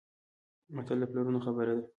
متل د پلرونو خبره ده.